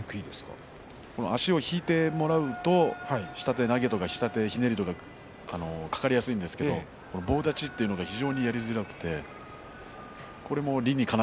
足を引いてもらうと下手投げとか下手ひねりとかかかりやすいんですが棒立ちというのは非常にやりづらいんですね。